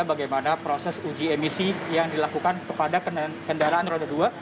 bagaimana proses uji emisi yang dilakukan kepada kendaraan roda dua